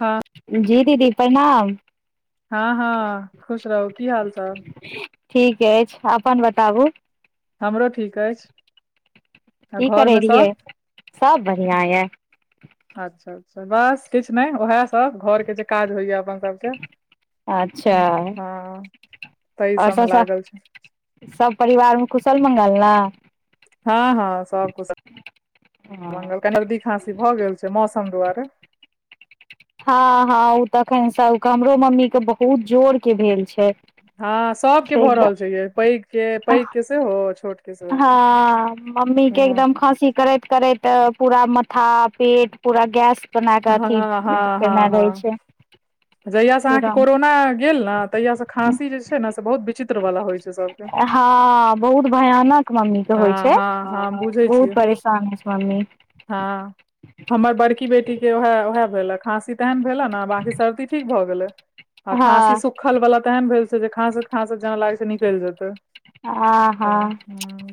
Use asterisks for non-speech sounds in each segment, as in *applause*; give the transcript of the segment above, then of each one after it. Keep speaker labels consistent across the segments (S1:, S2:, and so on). S1: हँ
S2: जी दीदी प्रणाम
S1: हँ हँ खुश रहू की हाल चाल
S2: ठीक अछि अपन बताबु
S1: हमरो ठीक अछि आ
S2: की
S1: घर
S2: करै
S1: मे
S2: रीयै
S1: सब
S2: सब बढ़िआं यऽ
S1: अच्छा अच्छा बस किछु नै उएह सब घर के जे काज होइया अपन सबके
S2: अच्छा
S1: हँ हँ, ताहि
S2: ओर
S1: सबमे
S2: सब
S1: लागल छै
S2: सभ परिवारमे कुशल मंगल ने
S1: हँ हँ सब कुशल
S2: हँ
S1: मंगल कनि सर्दी खाँसी भऽ गेल छै मौसम दुआरे
S2: हँ हँ ओ तखन सब हमरो मम्मी के बहुत जोर के भेल छै
S1: हँ सबके
S2: से
S1: भऽ
S2: एकदम
S1: रहल छै य पैघ के पैघ के सेहो छोट के सेहो
S2: हँ मम्मी के
S1: हँ
S2: एकदम खाँसी करैत करैत तऽ पूरा माथा पेट पूरा गैस बना के अथी
S1: हँ हँ हँ
S2: केने रहे
S1: हँ
S2: छै
S1: जहिया स अहाँके
S2: पूरा।
S1: कोरोना गेल ने तहिया से खांसी जे छै ने से बहुत विचित्र वाला होइ छै सबके
S2: हँ बहुत भयानक मम्मी के होइ
S1: हँ
S2: छै
S1: हँ हँ बुझै
S2: बहुत
S1: छियै
S2: परेशान होइ छै मम्मी
S1: हँ हमर बड़की बेटी के वएह वएह भेले खाँसी तेहन भेले ने बाँकी सब ठीक भए गेले आ
S2: हँ
S1: खाँसी सुखल वाला तऽ एहन भेल छै जे खांसत खासत जान लागे छै निकल जेत
S2: आ
S1: हं
S2: हँ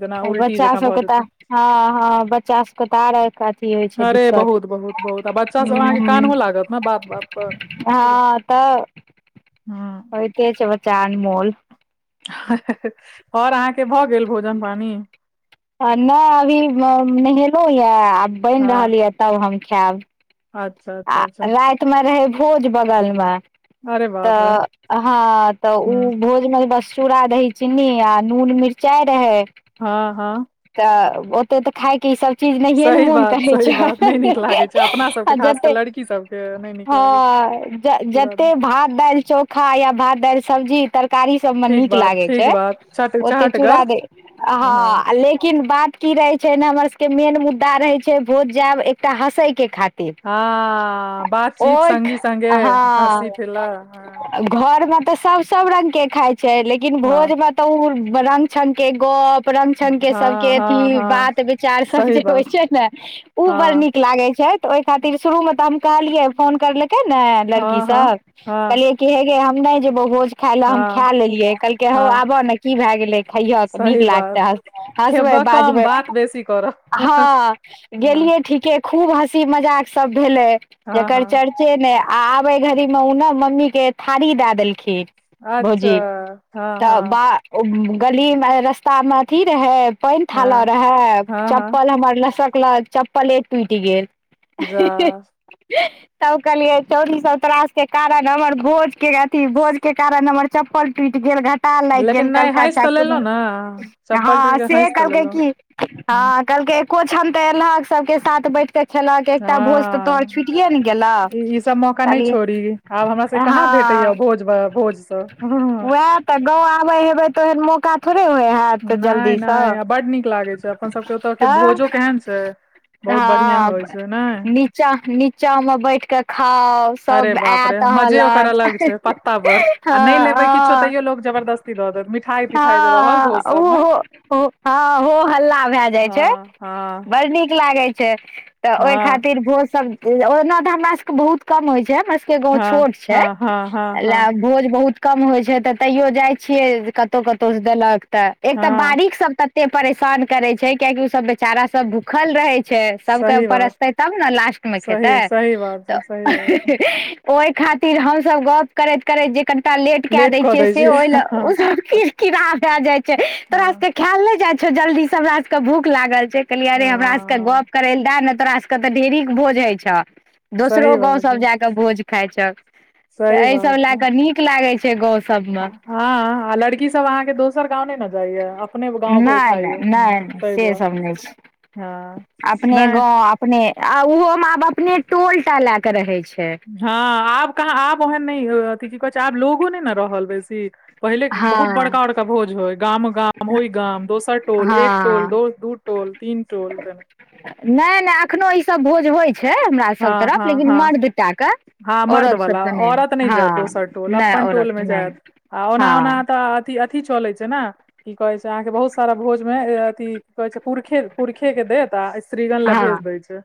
S1: जेना उल्टी
S2: बच्चा
S1: जकाँ भऽ
S2: सबके तऽ
S1: जेतै
S2: हँ हँ बच्चा सबके तऽ आ रहे होइ छै
S1: अरे
S2: दिक्कत
S1: बहुत बहुत बहुत आ बच्चा सब अहाँके
S2: हँ
S1: कानहो लागत ने बात बात पर पूरा
S2: हँ तऽ
S1: हँ
S2: होईते छै बच्चा अनमोल
S1: ओर अहाँके भऽ गेल भोजन पानी
S2: नहि अभी नहेलहु यऽ आब बइन
S1: हँ
S2: रहल यऽ तब हम खायब
S1: अच्छा
S2: आ
S1: अच्छा अच्छा
S2: राति में रहै भोज बगल मे
S1: अरे बाप रे
S2: तऽ हँ तऽ
S1: ह
S2: ओ भोज मे बस चूरा दही चिन्नी आ नून मिरचाइ रहै
S1: हँ हँ
S2: तऽ ओते तऽ खायके ई सब चीज नहि ने
S1: सही
S2: मोन
S1: बात
S2: करै
S1: सही
S2: छै
S1: बात नहि नीक लागै छै अपना सबके
S2: आ
S1: खास कऽ
S2: जते
S1: लड़की सबके नहि नीक लागै छै
S2: ह
S1: पूरा दिन
S2: जते भात दालि चोखा या भात दालि सब्जी तरकारी तिमन
S1: ठीक
S2: निक
S1: बात
S2: लगे
S1: ठीक
S2: छै
S1: बात चट
S2: अते
S1: चहटगर
S2: चुरा दाहि आ
S1: हँ
S2: हैं लेकिन बात की रहे छै ने हमर सबके मेन मुद्दा रहे छै भोज जैब एकटा हँसे के खातिर
S1: हँ बातचीत
S2: ओहि
S1: सगी सगे हँसी ठेल्ल
S2: घर मे तऽ सब सब रंग के खाइ छै लेकिन भोज
S1: हँ
S2: मे तउ रंग चंग के गप रंग छंग छ् के सब
S1: हँ हँ
S2: अथी
S1: हँ
S2: बात विचार सब
S1: सही
S2: जे होइ
S1: बात
S2: छै ने उ बड़
S1: हँ
S2: नीक लागे छै तऽ ओहि खातिर शुरूमे तऽ हम कहलियै फोन करलकै ने लड़की
S1: हँ हँ
S2: सब
S1: हँ
S2: कहलियै क हे गे हम नहि जेबो भोज खाय ले हम
S1: हँ
S2: खाय लेलियए कहलके हौ
S1: हँ
S2: आबऽ ने की भए गेले खैय नीक
S1: सही बात
S2: लागत बै
S1: खेबऽ कम
S2: बाजबै
S1: बात बेसी करऽ
S2: हँ गेलिय ठीके खूब हँसी मजाक सब भेले
S1: हँ
S2: जकर
S1: हँ
S2: चर्चा से नहि आ आबे घड़ी मे ओ ने मम्मी के थारी दए देलखिन
S1: अच्छा
S2: भोजी
S1: हँ
S2: तऽ
S1: हँ
S2: ब गली में रस्तामे अथी रहै पइन थाला
S1: हँ
S2: रहे
S1: हँ हँ
S2: चप्पल हमर लसक लऽ चप्पले टूटि गेल
S1: जा
S2: हे हा हा तब कहलियै छौरी सब तोरा सब के कारण हमर भोजके अथी भोजके कारण हमर चप्पल टूटि गेल ता लागि
S1: लेकिन
S2: गेल
S1: नहि
S2: कहलकइ
S1: हँसि
S2: अच्छा
S1: तऽ लेलहुँ
S2: कोनो
S1: ने चप्पल टूटि
S2: हँ
S1: कऽ
S2: से
S1: हँसि तऽ
S2: कहलकै
S1: लेलहुँ
S2: की हँ कहलकै एको क्षन त एलहक सबके साथ बैठ खेलक एकटा भोज तऽ तोहर छुटिए ने गेलह
S1: ई सब मौका नहि
S2: कनि
S1: छोड़ी आब हमरा सबके कहाँ भेटैया भो भोजसँ
S2: वएह तऽ गाँव आबे हेबे तऽ ओहन मौका थोड़े होय हयत
S1: नहि
S2: जल्दी तऽ
S1: नहि आ बड नीक लागे छै अपन सबके ओतऽ के
S2: तऽ
S1: भोजो केहन छै बहुत बढ़ियां
S2: हँ
S1: होइ छै ने
S2: नीचा नीचा में बैठ क खाउ
S1: अरे
S2: सब
S1: बाप रे
S2: एत आहा
S1: मजे ओकर
S2: लग
S1: अलग छै पत्ता पर
S2: ह
S1: आ नहि लेबै किछो
S2: ह
S1: तैयो लोग जबरदस्ती दऽ देत मिठाई तिठाई जे रहल भोज सब में
S2: ओ हँ हो हल्ला भए जाइ छै
S1: हँ हँ
S2: बड़ नीक लागै छै तऽ ओहि
S1: हँ
S2: खातिर भोज सब ओना तऽ हमरा सबके बहुत कम होइ छै हमरा सभके के गाँव
S1: हँ
S2: छोट छै
S1: हँ हँ हँ
S2: ल
S1: हँ
S2: भोज बहुत कम होय छै त तैयो जाय छिये कतहु कतौ से देलक ते एक तऽ
S1: हँ
S2: बारीश सब तते परेशान करे छै कियाकि उ सब बेचारा सब भूखल रहे छै छै सबके
S1: सही बात
S2: परसतै तब ने लास्टमे खेतै
S1: सही सही बात
S2: तऽ
S1: छै सही बात छै
S2: ओहि खातिर हमस गप करैत करैत जे कनिटा लेट क दय
S1: कऽ
S2: छियै
S1: दै
S2: से ओहि ल
S1: हँ
S2: ओ कीड़ भए जाय छै
S1: हँ
S2: तोरा खायल नहि जाइ छौ जल्दी से हमरा सब के भूख लागल छै कहलियै रे हमरा सब के
S1: हँ
S2: गप करे ल दए ने तोरा सब के तऽ ढेरिक भोज हय छ दोसरो
S1: सही
S2: गांव
S1: बात
S2: सब
S1: है
S2: जायाक भोज खााय छ तऽ
S1: सही
S2: एहि सब
S1: बात
S2: लए
S1: है
S2: कऽ नीक लागै छै गौ सबमे
S1: हँ आ लड़की सब अहाँ के दोसर गांव ने अपने गांव धरि
S2: नहि
S1: खाय
S2: नहि नहि नहि से गाँंव अपने आ ओहो में आब अपने टोल टा लय के रहे छै
S1: हँ आब कहाँ आब ओहन नहि अथि की कहै छै आब लोगो नहि ने रहल बेसी पहिले बहुत
S2: हँ
S1: बड़का बड़का भोज होय गाम गाम होइ गाम दोसर टोल एक
S2: हँ
S1: टोल दो दू ोल तीन टोल त
S2: नहि नहि एखनो ईसभ भोज होइत छै हमर सभ
S1: हँ
S2: तरफ
S1: हँ
S2: लेकिन
S1: हँ
S2: मर्द टाक
S1: हँ मर्द वला औरत नहि जायत दोसर टोल
S2: नहि
S1: अपन टोल
S2: औरत
S1: मे जायत
S2: नहि
S1: आ ओना ओना
S2: हँ
S1: तऽ अ अथी चलैत छै ने की कहैत छै अहाँके बहुत सारा भोजमे अथि की कहैत छै पुरखे पुरखेके देत आ श्रीगण ले भेज
S2: हँ
S1: देय छै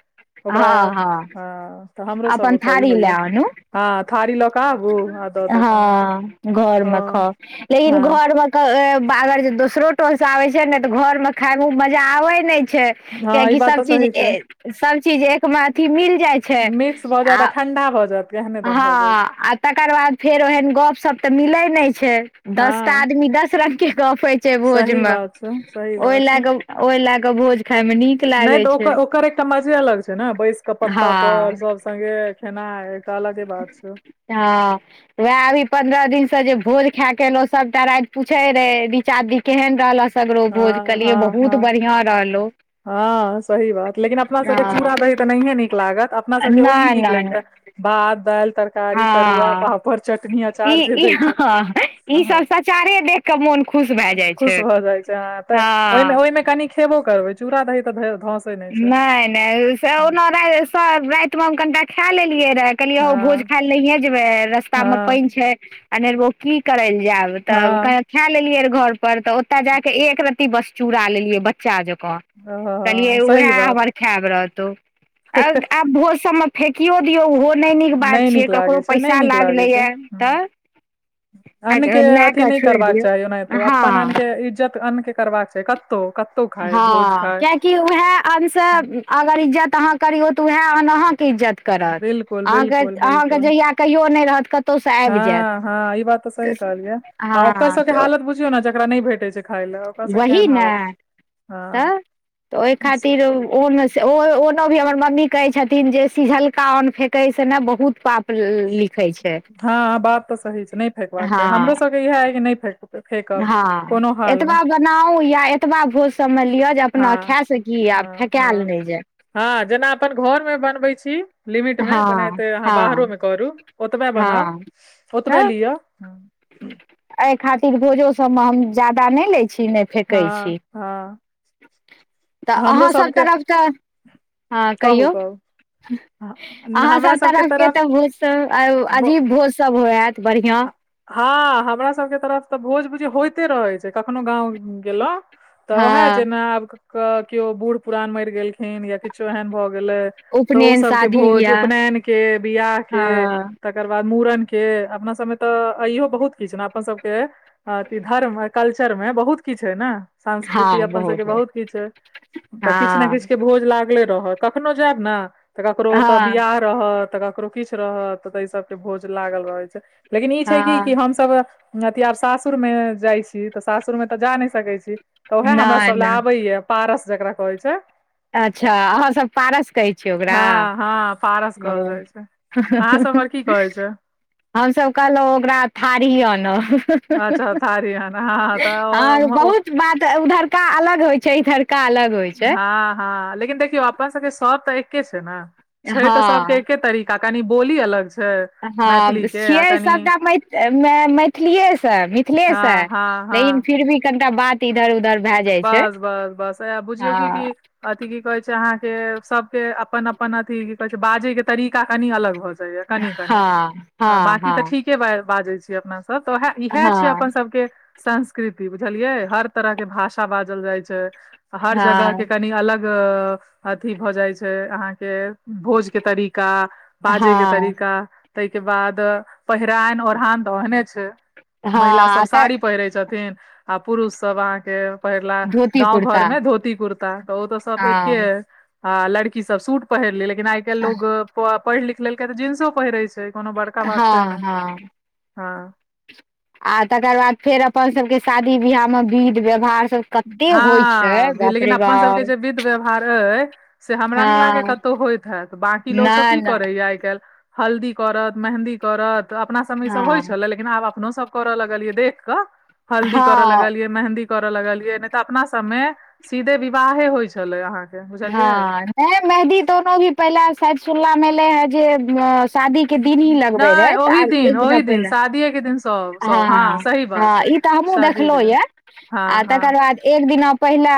S1: ओकरा
S2: हँ हँ
S1: तऽ हमरो सब
S2: अपन
S1: ओतऽ ई
S2: थारी ले
S1: होइया
S2: आनू
S1: हँ थारी लऽ कऽ आबू आ दऽ देत अहाँके
S2: हँ घर मे खा
S1: हँ
S2: लेकिन
S1: हँ
S2: घर घर मे अगर जे दोसरो टोल से आबे छै ने ते घर में खाय मे मजा आवे ने छै
S1: हँ ई
S2: कियकि
S1: बात
S2: सब
S1: तऽ
S2: चीज
S1: सही छै
S2: सब चीज एकमे अथिी मिल जाइ छै
S1: मिक्स भऽ जात आ ठंडा भ जायत केहने दन
S2: हँ
S1: भऽ जाय छै
S2: आ तकर बाद फेर ओहन गपशप तऽ मिलैत नहि छै दस
S1: हँ
S2: टाणआदमी दस रंग के गपे छै भोज
S1: सही
S2: में
S1: बात छै सही
S2: ओहि
S1: बात
S2: लए
S1: छै
S2: क ओहि ले क भोज खााय मे नीक लागे छै
S1: एक मजे अलग छ ने बैस क
S2: हँ
S1: पत्ता पर सब संगे खेना एकटा अलगे बात छै
S2: हँ *unintelligible* वएह अभी पन्द्रह दिनसँ जे भोज खा केलहु सभटा राति पूछे रहे रिचादी केहन रहल सगरो भोज
S1: हँ
S2: केलियै
S1: हँ
S2: बहुत
S1: हँ
S2: बढ़िआँ रहलौ
S1: हँ सही बात लेकिन अपनासभके चूड़ा दही तऽ नहियए नीक लागत अपना सभके ओही
S2: नहि
S1: नीक
S2: नहि
S1: लगतै
S2: नहि
S1: भात दालि तर कारी तरुआ
S2: हँ
S1: पापड़ चटनी
S2: ई
S1: अचार जे
S2: ई
S1: दै छै
S2: हँ ई
S1: ह
S2: सब सचारे देख कऽ मोन खुश भए जाइ
S1: खुश
S2: छै
S1: भऽ जाइत छै अ तऽ ओहिमे
S2: हँ
S1: ओहिमे कनि खेबो करबै चूड़ा दही त धस
S2: नहि नहि से ओना रातिमे हम कनिटा खा लेलियै राति कहलियै ओ भोज खाय ले नहियए जेबे रस्ता मे
S1: हँ
S2: पानि छै अनेरगो की कर ल जायब तब क
S1: हँ
S2: खा लेलियै र घर पर तऽ ओतय जायाक एक र्ती बस चूड़ लेलियै बच्चा जका
S1: आहा आआ
S2: आब भोजन सब म फेकियो दियौ ओहो नहि नीक बात
S1: नहि
S2: छियै
S1: नीक
S2: ककरो
S1: लागै छै नहि
S2: पैसा
S1: नीक लागै
S2: लागलैया
S1: छै
S2: तऽ ह *unintelligible*
S1: अन्न के अथी नहि करबाक चाही ओनाहितो अपन
S2: हँ
S1: अन्ने इज्जत अन्न के करबाक चाही कत कतौ खाय भोज खाय
S2: किआकि उएह अन से अगर इज्जत अहाँ करियऔ तऽ उएह अन अहा के इज्जत करत
S1: बिल्कुल
S2: अके
S1: बिल्कुल
S2: अहाँके
S1: बिल्कुल
S2: जहिया कहियो नहि रहत कतहुसँ आबि जायत
S1: हँ हँ ई बात तऽ सही कहलियै आ ओकर
S2: हँ
S1: सबके
S2: तऽ
S1: हालत बुझियौ ने जेकरा नहि भेटे छै खाय लए ओकर सब
S2: वही
S1: केहन
S2: ने
S1: हालत
S2: तऽ
S1: हँ
S2: ओहि खातिर ओ से ओ ओना भी हमर मम्मी कहै छथिन जे सिझलका अन्न फेकैसँ ने बहुत पाप लिखै छ
S1: हँ बात तऽ सही छै नहि फेकबाक छाही हमरो
S2: हँ
S1: सबके इएह है कि नहि फेक त फेकब कोनो हाल मे
S2: नाउ या एतबा भोज सब मे लिअ जे अपना
S1: हँ
S2: खाय सकी य
S1: हँ
S2: फेकायल
S1: हँ
S2: ने जाय
S1: हँ जेना अपन घर में बनबै छी लिमिट में
S2: हँ
S1: तेनाहिते अहाँ बाहरो
S2: हँ
S1: मे करू ओतबे बनाउ
S2: हँ
S1: ओतबे
S2: तऽ
S1: लिअ
S2: एहि खातिर भोजो सब में हम ज्यदा नहि ले छी ने
S1: हँ हँ
S2: तऽ अहाँसब तरफसँ हँ
S1: कहू
S2: कहियौ
S1: कहू हाँ,
S2: अहाँ
S1: हमरा
S2: सब
S1: सबके
S2: तरफके तऽ
S1: तरफ
S2: भोज सब अजीब भोज सब होयत बढ़िआंँ
S1: हँ हमरा सबके तरफ तऽ भोज ब‌ुजीय‌उ होयइते रहै छै कखनो गाँंव गेलहु तऽ
S2: हँ
S1: उएह छै ने आब केओ बूढ़ पुरान मरि गेलखिन या किछु गेल त
S2: उपनयन
S1: भ
S2: शादी बियाह
S1: बि
S2: हँ
S1: ओकर बाद मूड़न के अपना सबमे तऽ अइयो बहुत किछु ने अपन सबके अथ धर्म कल्चर मे बहुत किछु हय ने संस्कृति अपन सबके बहुत किछु ह तऽ किछु ने किछ
S2: हँ
S1: के भोज लागले रहत कखनो जायब ने तऽ ककरोऽ ब
S2: हँ
S1: रहत त ककरो किछु रहत त इ सबके भोज लागल रहैत छै लेकिन ई छै कि
S2: हँ
S1: कि हमस अथी आब सासुर मे जाइ छी तऽ सासुर मे तऽ जा नहि सकै छी तऽ ओएहे हमरा सब
S2: नहि
S1: लए
S2: नहि
S1: आबैए पारस जकरा कहै छै
S2: अच्छा अहाँसब पारस कहै छियै ओकरा
S1: हँ हँ पारस
S2: ओ
S1: कहल जाइ छै अहाँ सब उम्हर की कहै छै
S2: हमसब कहलहुँ ओकरा थारी अन
S1: अच्छा थारी हन, हँ
S2: आर
S1: तऽ
S2: बहुत बात उधरका अलग होय छै इधरका अलग होइ छै
S1: हँ हँ लेकिन देखियौ अपना सबके सब तऽ एके छै ने छै तऽ
S2: हँ
S1: सबके एके तरीका काकनी बोली अलग छै
S2: हँ
S1: मैथिली के आ
S2: छियै
S1: कनि
S2: सभटा मै मैथिलिएसँ मिथिलेसँ
S1: हँ हँ
S2: लेकिन
S1: हँ
S2: फिर भी कनिटा बात इधर उधर भए जाइ छै
S1: बस बस बस अ बुझियौ कि
S2: हँ
S1: कि अथि की कहै छै अहाँ के सबके अपन अपन अथि की कहै छै बाजे के तरीका कनि अलग भऽ जाय यौ कनि कनि
S2: हँ हँ
S1: बाकि
S2: हँ
S1: ठीक के बाजै छी अपना सब त इएह छै अपन
S2: हँ
S1: सबके संस्कृति बुझलियै हर तरह के भाषा बाजल जाइ छै हर जगह के
S2: हँ
S1: कनि अलग अथी भऽ जाइ छै अहाँके भोज के तरीका बाजे के
S2: हँ
S1: तरीका तहिके बाद पहिरायन ओढ़हान तऽ ओहने छै
S2: हँ
S1: महिला सब
S2: आ तऽ
S1: साड़ी पहिरै छथिन आ पुरुषसभ अहाँके पहिरला
S2: धोती
S1: गाँंव घर
S2: कुर्ता
S1: में धोती कुर्ता तऽ ओ तऽ सब एके
S2: हँ
S1: ह आ लड़की सब सूट पहिरले लेकिन आइ कल लो पढ़ लिख लेलकै तऽ जींसो पहिरे छै कोनो बड़
S2: हँ हँ
S1: *unintelligible*
S2: आ तकर बाद फेर अपन सबके शादी बियाह में विध व्यवहार सब कते होइ छै
S1: हँ
S2: बाप
S1: लेकिन
S2: रे
S1: अपन
S2: बाप
S1: सबके जे विध व्यवहार अ से हमरा ने लागे
S2: हँ
S1: कत त होइत हैत बकी लोक सब
S2: नहि
S1: की
S2: नहि
S1: करैया आइ काल्हि हल्दी करत मेंहदी करत त अपना सब ई सब होइ
S2: हँ
S1: छल लेकिन आब अपनो सब करऽ लगलियै देख कऽ हल्दी करऽ
S2: हँ
S1: लगलियै मेंहदी करऽ लगलियै ने तऽ अपना सब में सीधे विवाहे होइ छले अहा
S2: हँ नहि मेहदी दोनो भी पहिले साद सुल्ला एले हे जे शादी के
S1: न-
S2: दिन ही लगबे
S1: नहि
S2: रहै तऽ
S1: ओहि
S2: आब एक दिन
S1: ओहि
S2: पहिले
S1: शादिये के दिन सब सब
S2: हँ
S1: सही बात है,
S2: त हमहुँ
S1: शादिये के
S2: देखलहु
S1: दिन
S2: ये
S1: हँ
S2: आ
S1: हँ
S2: तकर बाद एक दिन पहिले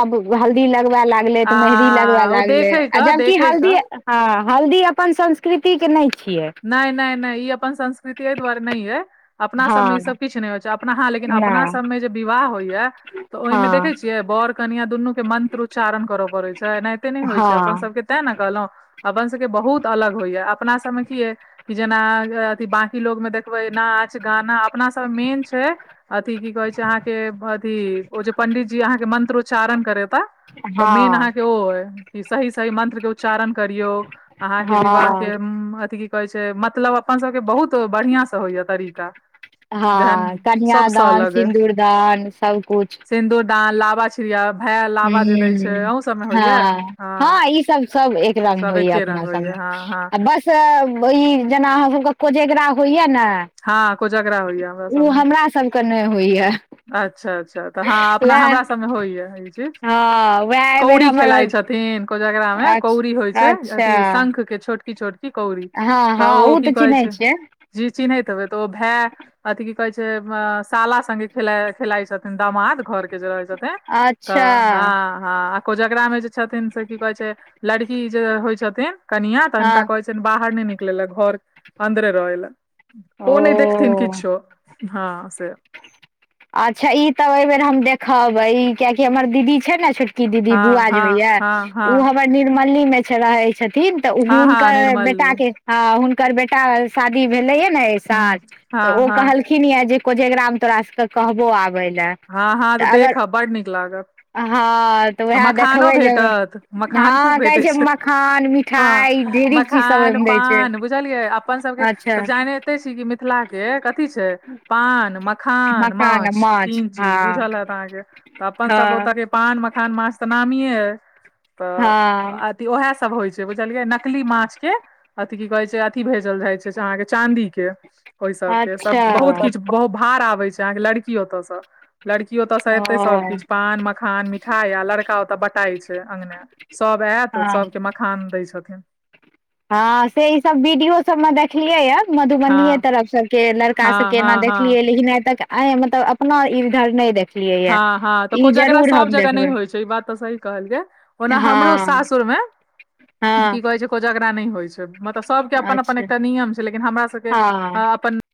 S2: आब हल्दी लगबै लागलै
S1: आ
S2: तऽ मेहदी लगबै
S1: ओ
S2: लागलै
S1: देखै
S2: आ
S1: कऽ
S2: जबकि
S1: देखै कऽ
S2: हल्दी ह हल्दी अपन संस्कृतिके नहि छियै
S1: नहि नहि नहि ई अपन संस्कृति एहि द्वारे नहि है अपना सभमे
S2: हँ
S1: ईसभ किछु नहि होइ छै अपना ह लेकिन
S2: नहि
S1: अपना सभमे जे विवाह होइए तऽ ओहिमें
S2: हँ
S1: देखै छियै बर कनिया दुनू के मंत्रोच्चारण करय पड़ैत छै एनाहिते नहि होइ छै अपन
S2: हँ
S1: सबके ते ने कहलहुं अपन सबके बहुत अलग होइया अपना सबमे कि जेना अथ बकी लोग में देखबै नाच गाना अपना सब मेन छै अथि की कहै छै अहाँके अथी ओ जे पंडित जी अहाँके मंत्रोच्चारण करेता तऽ मेन
S2: हँ
S1: अहाँके ओ अइ कि सही सही मंत्र के उच्चारण करियौ अहाँके विवाह के
S2: हँ
S1: की कहै छै मतलब अपन सभके बहुत बढ़िआँसँ होइएा तरीका जहन
S2: हँ
S1: सबसँ
S2: कन्यादान सिन्दूरदान सबकुछ
S1: सिन्दुर दान लाबा छिड़िया भाय
S2: हु
S1: लाबा जे दै छै अहूँ सबमे होइया
S2: हँ हँ ई सब सब रंग
S1: सब
S2: होइए
S1: एके रंग
S2: अपना साभ
S1: होइया हँ हँ
S2: बस से ई जेना अहाँ सबके कोजेगरा होइया ने
S1: हँ कोजगरा होइया हमरा सबमे
S2: कने होइए
S1: अच्छा अच्छा तऽ हँ अपना हमरा सभमे होइया ई चीज
S2: हँ वएह एहि बेेर
S1: कौड़ी
S2: हमर
S1: खेलइ छथिन जकरा में
S2: अछ
S1: कौड़ी होइ छै
S2: अच्छा
S1: अथी शंख के छोटकी छोटकी की कौड़ी
S2: हँ
S1: त
S2: हँ
S1: ओ की
S2: तऽ
S1: कह
S2: चिन्है
S1: छै
S2: छियै
S1: जी चिन्हैत हब तऽ ओ भाय अथि की कहै छै अ साला से खेल खेलाइ छथिन दामाद घर के जे रहै छथिन
S2: अच्छा
S1: तऽ हँ ह आ कोजगरा में जे छथिन से की कहे छै लड़की जे होय छथिन कनिया तऽ
S2: हँ
S1: हुनका कहे छै बाहर नहि निकले ला घर अन्दरे रहै ला ओ नहि देखथिन किछु हँ से
S2: अच्छा ई तऽ एहिबर हम देखबै कियकि हमर दीदी छै ने क दीदी
S1: हँ
S2: बुआ जे
S1: हँ
S2: होइ या
S1: हँ हँ
S2: ओ हमर निर्मली मे छै रहै छथिन तऽ
S1: हँ हँ
S2: हुनकर
S1: निर्मली
S2: बेटा के हुनकर बेटा शादी भेलैय ने
S1: हूँ
S2: सार तऽ
S1: हँ
S2: ओ
S1: हँ
S2: कहलखिन ये जे कोजगरा मे तोरा सबके कहबो आबे ले
S1: हँ हँ तऽ देखा बड नीक लागत
S2: हँ तऽ
S1: आ
S2: उएह
S1: मखानो
S2: देखबै जे
S1: भेटत मखान खूब
S2: हँ कहै
S1: भेटै छै
S2: मखान
S1: हँ
S2: मिठाई ढेरी चीज सब
S1: मखान
S2: ओहिमे दै छै
S1: पान बुझलियै अपन सबके
S2: अच्छा
S1: तऽ जाने ते छी कि मिथिला के कथी छै पान मखान माछ तीन चीज बुझल हत अहाँके तऽ अपन सब
S2: हँ
S1: ओतऽ के पान मखान माछ तऽ नामिये य
S2: हँ
S1: त ओएह सब होइ छै बुझलियै नकली माछ के अथि की कहै छै अथि भेजल जाइत छै से अहाँके चाँदीके ओहि सभके
S2: अच्छा
S1: सभ बहुत किछु बहुत भार आबै छै अहाँके लड़की ओतयसँ लड़कियोतऽ से
S2: ओ
S1: ऐते सब कििछु पान मखान मिठाई आ लड़का ओतऽ बटाई छै अंगगने सब आयत
S2: हँ
S1: सभके मखान दै छथिन
S2: हँ से ई सब वीडियो सब मे देखलियै या
S1: हँ
S2: मधुबनीे तरफ सब के लड़का सब
S1: हँ
S2: के
S1: हँ
S2: एना देखलियै
S1: हँ
S2: लेकिन आ तक आ मतलब अपना ईधर नहि देख
S1: हँ हँ तऽ कोजगरा सब जगह नहि
S2: देखबै
S1: होइ छै ई बात तऽ सही कहल ग ओना हमरो
S2: हँ
S1: सासुरमे
S2: हँ
S1: कोजगड़ा नहि होइ छै मतलब सबके अपन अपन
S2: अच्छा
S1: एकटा नियम छै लेकिन हमरा सबके
S2: हँ
S1: अपन